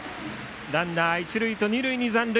ランナーは一塁と二塁に残塁。